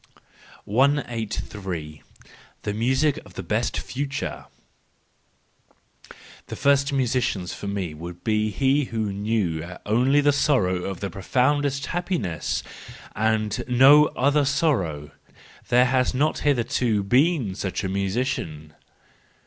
THE JOYFUL WISDOM, III 193 183. The Music of the Best Future .—The first musician for me would be he who knew only the sorrow of the profoundest happiness, and no other sorrow: there has not hitherto been such a musician.